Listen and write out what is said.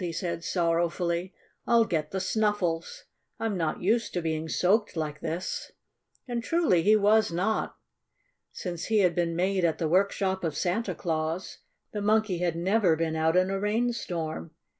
he said sorrowfully. "I'll get the snuffles! I'm not used to being soaked like this." And, truly, he was not. Since he had been made at the workshop of Santa Claus, the Monkey had never been out in a rain storm.